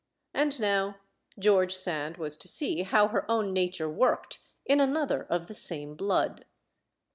And now George Sand was to see how her own nature worked in another of the same blood.